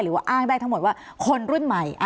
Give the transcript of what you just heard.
หรือว่าอ้างได้ทั้งหมดว่าคนรุ่นใหม่